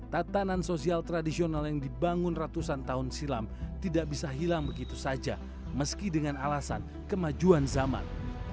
tatanan sosial tradisional yang dibangun ratusan tahun silam tidak bisa hilang begitu saja meski dengan alasan kemajuan zaman